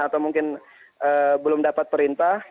atau mungkin belum dapat perintah